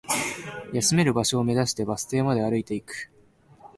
休める場所を目指して、バス停まで歩いていく